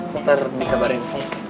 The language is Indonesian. ya ntar dikabarin